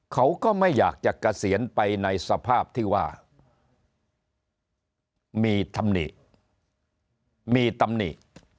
เขาก็ไม่อยากจะเกษียณไปในสภาพที่ว่ามีตำหนิมีตำหนิ